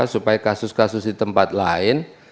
supaya kasus kasus di tempat lain